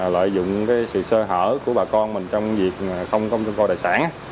lợi dụng sự sơ hở của bà con trong việc không công trung co đại sản